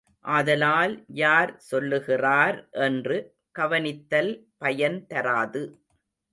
ஆதலால் யார் சொல்லுகிறார் என்று கவனித்தல் பயன் தராது.